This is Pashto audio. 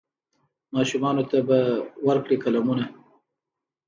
ماشومانو ته به ورکړي قلمونه